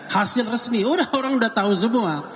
hasil resmi orang udah tahu semua